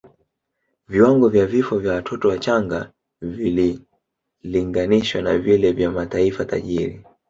Viwango vya vifo vya watoto wachanga vililinganishwa na vile vya mataifa tajiri